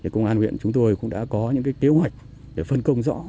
công an huyện chúng tôi cũng đã có những kế hoạch để phân công rõ